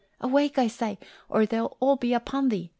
Awake, I say, or they'll all be upon thee!